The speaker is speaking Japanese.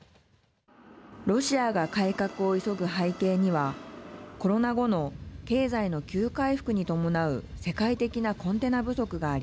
ロシアが改革を急ぐ背景にはコロナ後の経済の急回復に伴う世界的なコンテナ不足があります。